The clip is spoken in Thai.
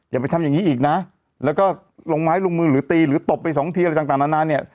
อย่าไปทำอย่างนี้อีกนะแล้วก็ลงไม้ลงมือหรือตีหรือตบไปสองทีอะไรต่างนานาเนี่ย